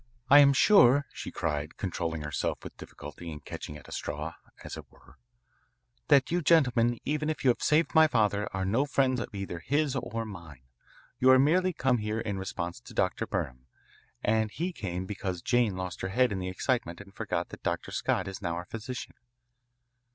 "I am sure," she cried, controlling herself with difficulty and catching at a straw, as it were, "that you gentlemen, even if you have saved my father, are no friends of either his or mine. You have merely come here in response to Dr. Burnham, and he came because Jane lost her head in the excitement and forgot that Dr. Scott is now our physician."